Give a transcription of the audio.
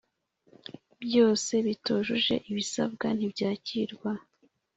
Byose Bitujuje Ibisabwa Ntibyakirwa